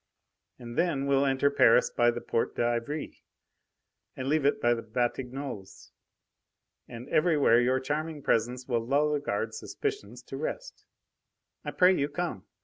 And then we'll enter Paris by the Porte d'Ivry and leave it by the Batignolles; and everywhere your charming presence will lull the guards' suspicions to rest. I pray you, come!